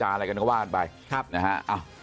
อะไรกันก็ว่ากันไปครับแหน่หะเอ้า